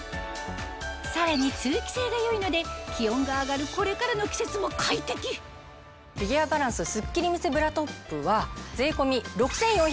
さらに通気性が良いので気温が上がるこれからの季節も快適フィギュアバランスすっきり魅せブラトップは。